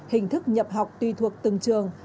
hình thức nhập học tùy thuộc từng trường